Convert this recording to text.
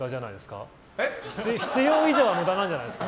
必要以上は無駄なんじゃないですか。